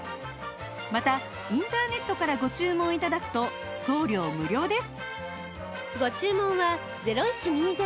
またインターネットからご注文頂くと送料無料です